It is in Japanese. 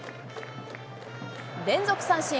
連続三振。